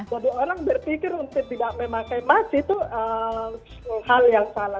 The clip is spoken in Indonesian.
jadi orang berpikir untuk tidak memakai mask itu hal yang salah sekali